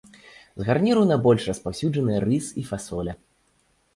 З гарніраў найбольш распаўсюджаныя рыс і фасоля.